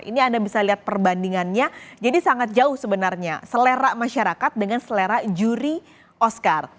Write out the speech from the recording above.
ini anda bisa lihat perbandingannya jadi sangat jauh sebenarnya selera masyarakat dengan selera juri oscar